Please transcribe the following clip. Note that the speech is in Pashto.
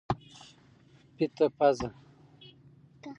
پیته پزه